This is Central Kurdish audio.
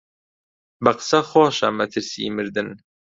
بە قسە خۆشە مەترسیی مردن